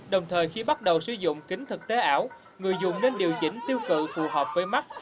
đồng thời khi bắt đầu sử dụng kính thực tế ảo người dùng nên điều chỉnh tiêu cử phù hợp với mắt